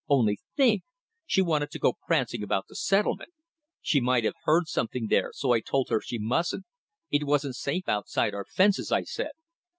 Only think! She wanted to go prancing about the settlement. She might have heard something there, so I told her she mustn't. It wasn't safe outside our fences, I said.